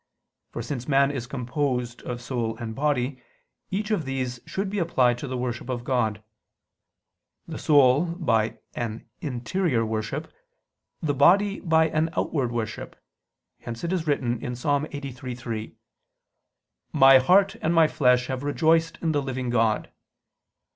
For since man is composed of soul and body, each of these should be applied to the worship of God; the soul by an interior worship; the body by an outward worship: hence it is written (Ps. 83:3): "My heart and my flesh have rejoiced in the living God."